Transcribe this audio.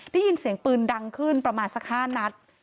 ได้ยินเสียงปืนดังขึ้นประมาณสัก๕นัด